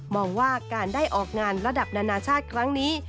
บอกว่าการได้ออกงานระดับนานาชาติครั้งนี้